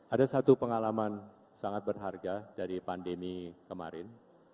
ada satu pengalaman sangat berharga dari pandemi kemarin